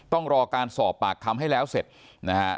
ต้องรอการสอบปากคำให้แล้วเสร็จนะฮะ